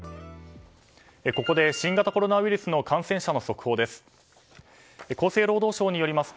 ここで新型コロナウイルスの感染者の速報です。